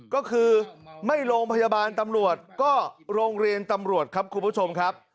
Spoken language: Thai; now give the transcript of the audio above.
ก็คือไม่โรงพยาบาลตำรวจก็โรงเรียนตำรวจครับคุณผู้ชมครับ